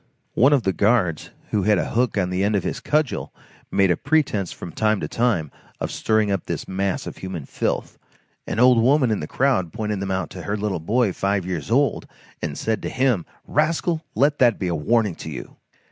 One of the guards, who had a hook on the end of his cudgel, made a pretence from time to time, of stirring up this mass of human filth. An old woman in the crowd pointed them out to her little boy five years old, and said to him: "Rascal, let that be a warning to you!"